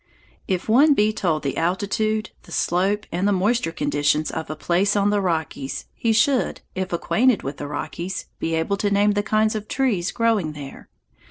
If one be told the altitude, the slope, and the moisture conditions of a place on the Rockies, he should, if acquainted with the Rockies, be able to name the kinds of trees growing there.